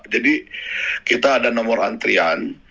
jadi kita ada nomor antrian